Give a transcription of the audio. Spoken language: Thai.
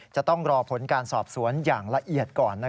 จะต้องรอผลการสอบสวนอย่างละเอียดก่อน